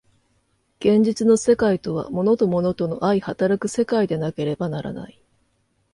現実の世界とは物と物との相働く世界でなければならない。